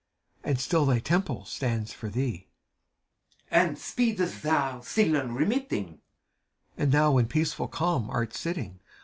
And still thy temple stands for thee I MANTO. And speedest thou still unremittingt CHIRON. And thou in peaceful calm art sitting.